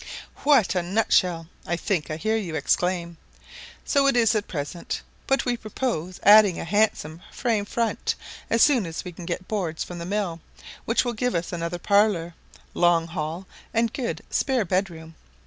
"What a nut shell!" I think I hear you exclaim. So it is at present; but we purpose adding a handsome frame front as soon as we can get boards from the mill, which will give us another parlour, long hall, and good spare bed room.